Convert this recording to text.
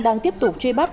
đang tiếp tục truy bắt